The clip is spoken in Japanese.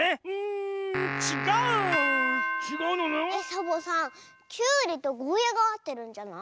サボさんきゅうりとゴーヤーがあってるんじゃない？